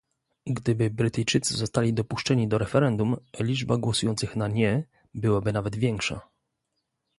Gdyby Brytyjczycy zostali dopuszczeni do referendum, liczba głosujących na "nie" byłaby nawet większa